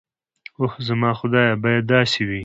اوح زما خدايه بايد داسې وي.